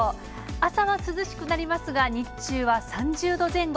朝は涼しくなりますが、日中は３０度前後。